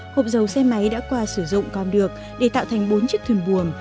hộp dầu xe máy đã qua sử dụng còn được để tạo thành bốn chiếc thuyền buồm